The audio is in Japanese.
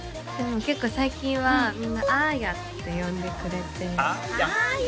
結構最近はみんなあーやって呼んでくれてあー